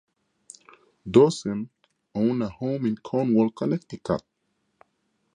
Dorsen owned a home in Cornwall, Connecticut.